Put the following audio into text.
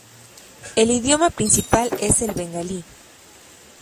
El idioma principal es el bengalí.